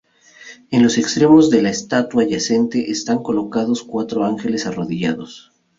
En los extremos de la estatua yacente están colocados cuatro ángeles arrodillados.